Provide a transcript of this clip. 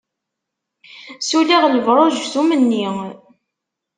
Suliɣ lebruj s umenni.